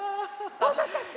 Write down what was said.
おまたせ！